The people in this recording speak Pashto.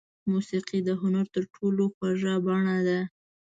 موسیقي د هنر تر ټولو خوږه بڼه ده.